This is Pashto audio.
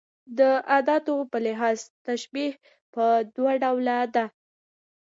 د اداتو په لحاظ تشبېه پر دوه ډوله ده.